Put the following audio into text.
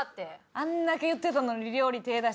あんだけ言ってたのに料理手出してしまいました。